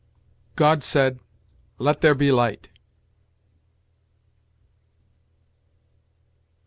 "God said, Let there be light."